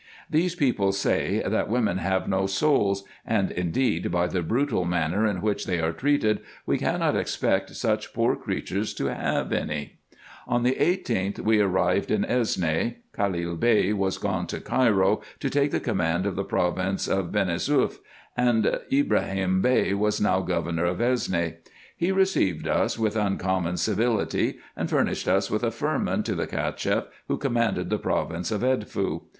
These people say, that women have no souls ; and indeed, by the brutal manner in which they are treated, we cannot expect such poor creatures to have any. On the 18th we arrived in Esne. Khalil Bey was gone to Cairo, to take the command of the province of Benesouef ; and Ibrahim Bey was now governor of Esne. He received us with uncommon civility, and furnished us with a firman to the Cacheff who com manded the province of Edfu.